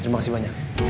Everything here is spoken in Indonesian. terima kasih banyak